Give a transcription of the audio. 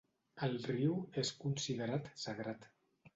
El riu és considerat sagrat.